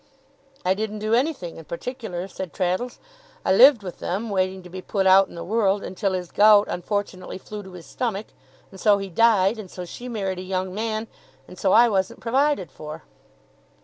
'I didn't do anything in particular,' said Traddles. 'I lived with them, waiting to be put out in the world, until his gout unfortunately flew to his stomach and so he died, and so she married a young man, and so I wasn't provided for.